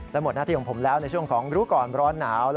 และหมดหน้าที่ของผมแล้วในช่วงของรู้ก่อนร้อนหนาว